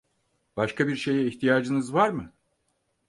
Başka bir şeye ihtiyacınız var mı?